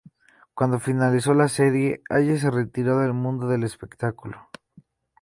Cuando finalizó la serie, Hayes se retiró del mundo del espectáculo.